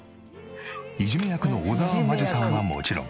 いじめ役の小沢真珠さんはもちろん。